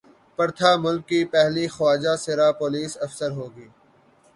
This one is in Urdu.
پرتھا ملک کی پہلی خواجہ سرا پولیس افسر ہو گی